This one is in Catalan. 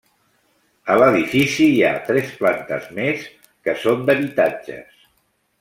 A l'edifici hi ha tres plantes més que són d'habitatges.